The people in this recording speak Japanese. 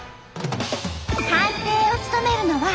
判定を務めるのは。